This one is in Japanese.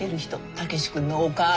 武志君のお母さん。